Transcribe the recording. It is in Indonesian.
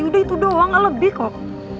udah itu doang gak lebih kok